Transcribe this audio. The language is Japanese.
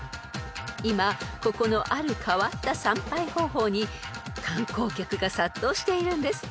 ［今ここのある変わった参拝方法に観光客が殺到しているんです］